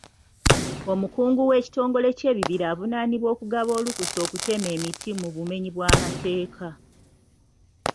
Omukungu w'ekitongole ky'ebibira avunaaanibwa okugaba olukusa okutema emiti mu bumenyi bw'amateeka.